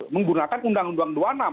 menggunakan undang undang dua puluh enam